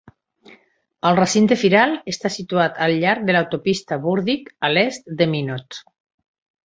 El recinte firal està situat al llarg de l'autopista Burdick a l'est de Minot.